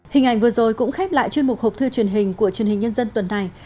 hình ảnh vừa rồi cũng khép lại chuyên mục hộp thư truyền hình của truyền hình nhân dân tuần này